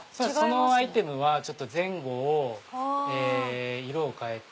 そのアイテムは前後を色を変えて。